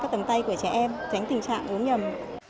các tầm tay của trẻ em tránh tình trạng uống nhầm